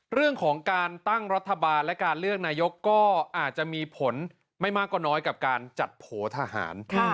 เรื่องของการตั้งรัฐบาลและการเลือกนายกก็อาจจะมีผลไม่มากกว่าน้อยกับการจัดโผล่ทหาร